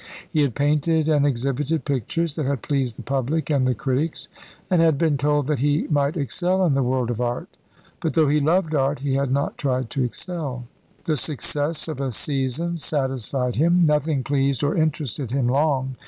He had painted and exhibited pictures that had pleased the public and the critics, and had been told that he might excel in the world of art; but though he loved art, he had not tried to excel. The success of a season satisfied him. Nothing pleased or interested him long.